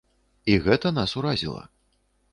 І гэта нас уразіла.